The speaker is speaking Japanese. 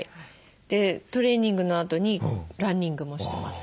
でトレーニングのあとにランニングもしてます。